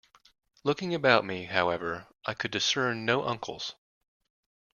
Looking about me, however, I could discern no uncles.